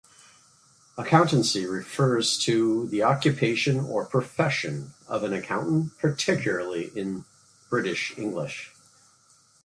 Accountancy refers to the occupation or profession of an accountant, particularly in British English.